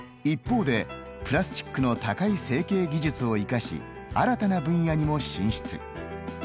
一方で、プラスチックの高い成形技術を生かし新たな分野にも進出。